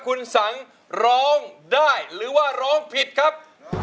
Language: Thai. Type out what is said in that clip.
คุณสังร้องได้หรือว่าร้องผิดครับ